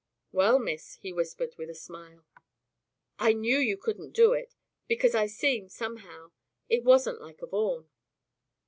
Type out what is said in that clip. "Well, miss," he whispered, with a smile, "I knew you couldn't do it, because I seemed, somehow, it wasn't like a Vaughan."